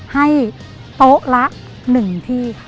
ให้โต๊ะละ๑ที่